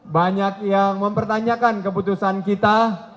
banyak yang mempertanyakan keputusan kita